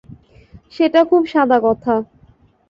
সেটা খুব সাদা কথা।